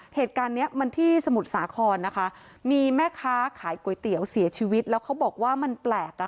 เหตุการณ์เนี้ยมันที่สมุทรสาครนะคะมีแม่ค้าขายก๋วยเตี๋ยวเสียชีวิตแล้วเขาบอกว่ามันแปลกอ่ะ